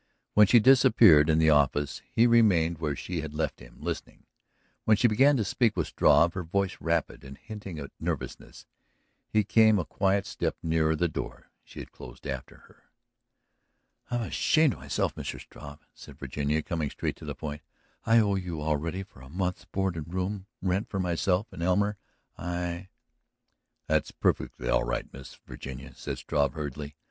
When she disappeared in the office he remained where she had left him, listening. When she began to speak with Struve, her voice rapid and hinting at nervousness, he came a quiet step nearer the door she had closed after her. "I am ashamed of myself, Mr. Struve," said Virginia, coming straight to the point. "I owe you already for a month's board and room rent for myself and Elmer. I ..." "That's perfectly all right, Miss Virginia," said Struve hurriedly.